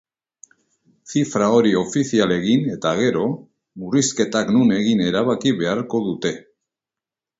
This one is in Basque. Zifra hori ofizial egin eta gero, murrizketak non egin erabaki beharko dute.